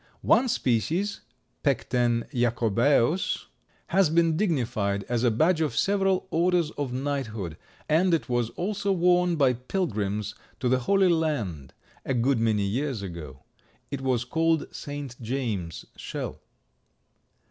One species (Pecten jacobaeus) has been dignified as a badge of several orders of knighthood and it was also worn by pilgrims to the Holy Land a good many years ago. It was called "St. James' Shell."